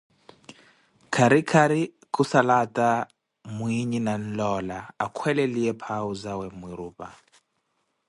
Khari khari khussala aata mwinhe nanlola akholeliye phau zawe mmwirupa